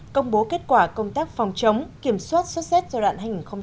công bố kết quả công tác phòng chống kiểm soát sốt z giai đoạn hai nghìn một mươi ba hai nghìn một mươi bảy